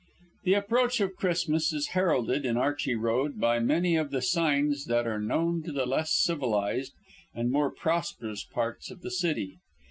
The approach of Christmas is heralded in Archey Road by many of the signs that are known to the less civilized and more prosperous parts of the city.